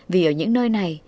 vì ở những nơi này